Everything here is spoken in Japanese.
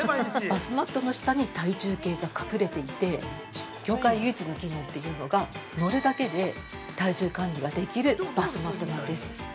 ◆バスマットの下に体重計が隠れていて、業界唯一の機能というのが、のるだけで体重管理ができるバスマットなんです。